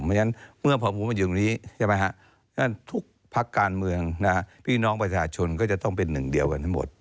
เพราะฉะนั้นเมื่อพอผมมายืนตรงนี้ใช่ไหมฮะฉะนั้นทุกพักการเมืองพี่น้องประชาชนก็จะต้องเป็นหนึ่งเดียวกันทั้งหมด